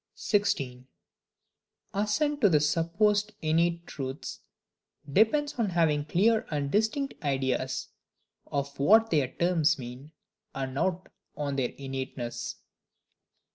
16. Assent to supposed innate truths depends on having clear and distinct ideas of what their terms mean, and not on their innateness.